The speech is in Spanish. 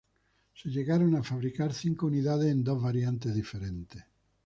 Se llegaron a fabricar cinco unidades en dos variantes diferentes.